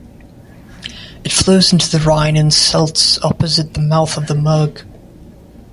It flows into the Rhine in Seltz, opposite the mouth of the Murg.